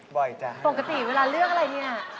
บ่อยจ๊ะให้ค่ะปกติเวลาเลือกอะไรนี่